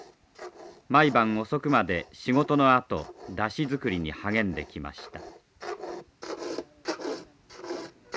毎晩遅くまで仕事のあと山車作りに励んできました。